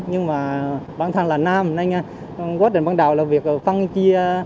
nhưng mà bản thân là nam nên quá trình bắt đầu là việc phân chia